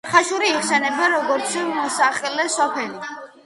ხაშური იხსენიება, როგორც მოსახლე სოფელი.